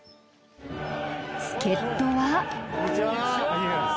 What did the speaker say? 助っ人は。